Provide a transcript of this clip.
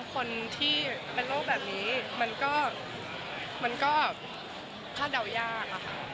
คนที่เป็นโรคแบบนี้มันก็คาดเดายากอะค่ะ